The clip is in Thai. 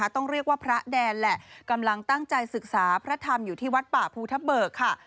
ต้องเรียกว่าพระแดนแหละกำลังตั้งใจศึกษาพระธรรมอยู่ที่วัดป่าภูทะเบิกค่ะ